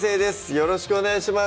よろしくお願いします